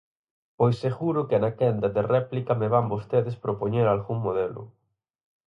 Pois seguro que na quenda de réplica me van vostedes propoñer algún modelo.